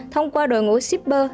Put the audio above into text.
thông qua đội ngũ sipr